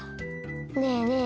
ねえねえ